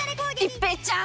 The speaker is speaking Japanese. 一平ちゃーん！